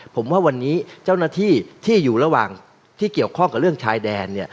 ผมว่าวันนี้เจ้าหน้าที่ที่อยู่ระหว่างที่เกี่ยวข้องกับเรื่องชายแดน